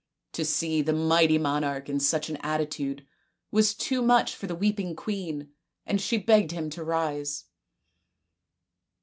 To see the mighty monarch in such an attitude was too much for the weeping queen, and she begged him to rise.